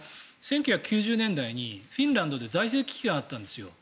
１９９０年代にフィンランドで財政危機があったんですよ